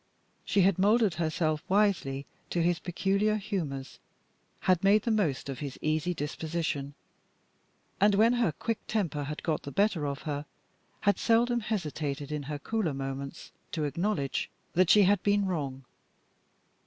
She had molded herself wisely to his peculiar humors, had made the most of his easy disposition; and, when her quick temper had got the better of her, had seldom hesitated in her cooler moments to acknowledge that she had been wrong.